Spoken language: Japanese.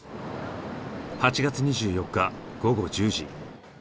８月２４日午後１０時。